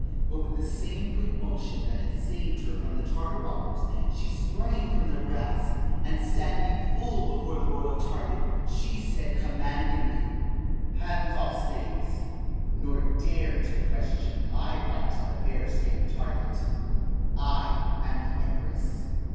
But with the same quick motion that had saved her from the Tartar robbers, she sprang from their grasp and, standing full before the royal target, she said commandingly: "Hands off, slaves; nor dare to question my right to the bearskin target. I am the Empress!"